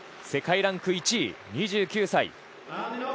世界ランク１位、２９歳。